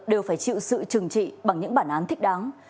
đều phải chịu sự trừng trị bằng những bản án thích đáng